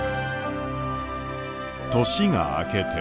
年が明けて。